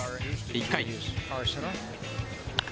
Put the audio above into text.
１回。